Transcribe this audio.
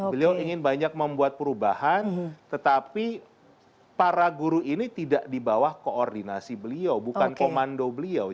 beliau ingin banyak membuat perubahan tetapi para guru ini tidak di bawah koordinasi beliau bukan komando beliau